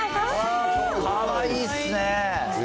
かわいいっすね。